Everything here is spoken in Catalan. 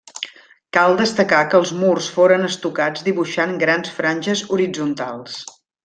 Cal destacar que els murs foren estucats dibuixant grans franges horitzontals.